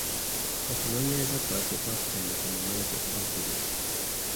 Okunoonyereza kwaffe twakutandika mu mwezi Ogwokubiri.